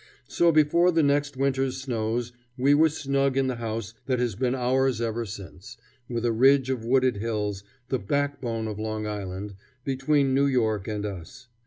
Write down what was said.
So before the next winter's snows we were snug in the house that has been ours ever since, with a ridge of wooded hills, the "backbone of Long Island," between New York and us.